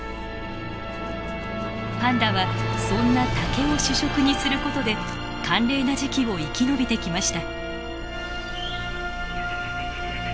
パンダはそんな竹を主食にする事で寒冷な時期を生き延びてきました。